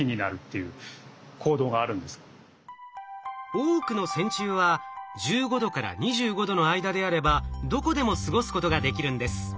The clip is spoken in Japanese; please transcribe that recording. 多くの線虫は１５℃から２５℃の間であればどこでも過ごすことができるんです。